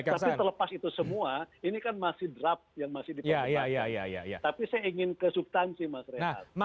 tapi itu kan ekstrim